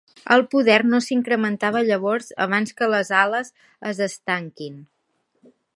El poder no s'incrementava llavors abans que les ales es estanquin.